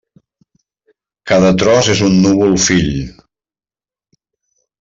Cada tros és un núvol-fill.